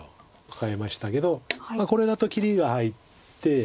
カカえましたけどこれだと切りが入って。